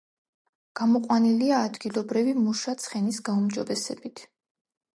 გამოყვანილია ადგილობრივი მუშა ცხენის გაუმჯობესებით.